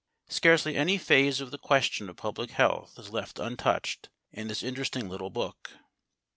Scarcely any phase of the question of public health is left untouched in this interesting little book.